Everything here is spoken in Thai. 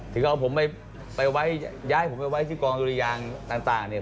ถึงเอาผมไปไว้ย้ายผมไปไว้ที่กองดุริยางต่างเนี่ย